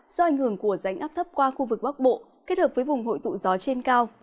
do ảnh hưởng của rãnh áp thấp qua khu vực bắc bộ kết hợp với vùng hội tụ gió trên cao